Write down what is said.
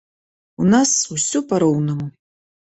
У нас усё па-роўнаму.